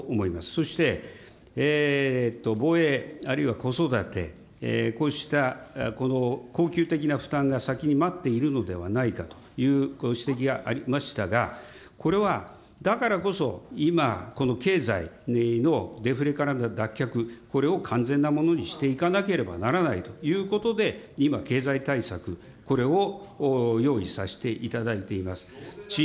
そして防衛あるいは子育て、こうした恒久的な負担が先に待っているのではないかというご指摘がありましたが、これはだからこそ今、この経済のデフレからの脱却、これを完全なものにしていかなければならないということで、今、経済対策、これを用意させていただいています。